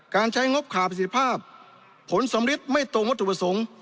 การใช้งบขาประสิทธิภาพผลสำริดไม่ตรงวัตถุประสงค์